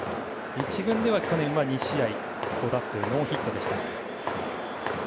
１軍では去年２試合５打数ノーヒットでした。